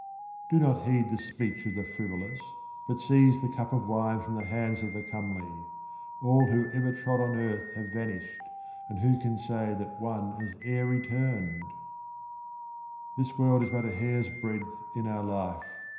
Do not heed the speech of the frivolous, but seize the cup of wine from the hands of the comely. All who ever trod the earth have vanished, and who can say that one has e'er returned ? 35 QUATRAINS OF OMAR KHAYYAM This world is but a hair's breadth in our life.